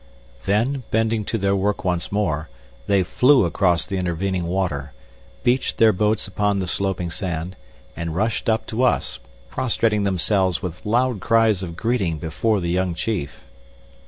Then bending to their work once more, they flew across the intervening water, beached their boats upon the sloping sand, and rushed up to us, prostrating themselves with loud cries of greeting before the young chief.